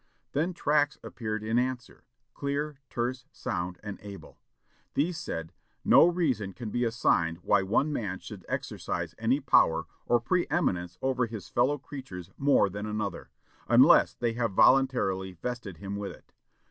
Then tracts appeared in answer; clear, terse, sound, and able. These said, "No reason can be assigned why one man should exercise any power or preëminence over his fellow creatures more than another, unless they have voluntarily vested him with it.